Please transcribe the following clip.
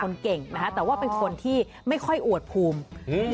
เก่งนะฮะแต่ว่าเป็นคนที่ไม่ค่อยอวดภูมิอืม